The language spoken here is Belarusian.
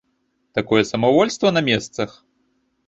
Такое самавольства на месцах!